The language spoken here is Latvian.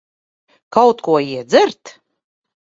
Kaut ko iedzert?